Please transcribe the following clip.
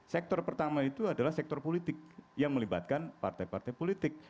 sektor pertama itu adalah sektor politik yang melibatkan partai partai politik